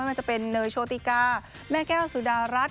มันจะเป็นเนยโชติกาแม่แก้วสุดารัฐ